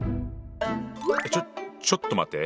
ちょちょっと待って。